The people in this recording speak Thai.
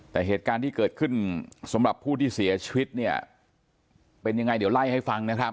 แต่เหตุการณ์ที่เกิดขึ้นสำหรับผู้ที่เสียชีวิตเนี่ยเป็นยังไงเดี๋ยวไล่ให้ฟังนะครับ